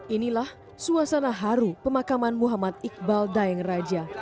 inilah suasana haru pemakaman muhammad iqbal dayeng raja